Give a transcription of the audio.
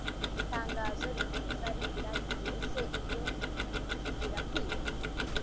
Itangazo rikomeza rigira riti “Ese ibyo birakwiye